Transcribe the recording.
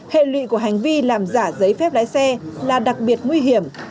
hệ lụy của hành vi làm giả giấy phép lái xe là đặc biệt nguy hiểm